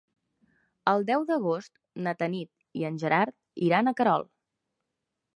El deu d'agost na Tanit i en Gerard iran a Querol.